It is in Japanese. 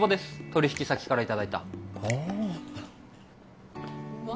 取引先からいただいたああうま